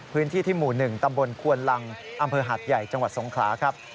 พื้นที่ที่หมู่๑ตำบลควนลังอำเภอหาดใหญ่จังหวัดสงขลาครับ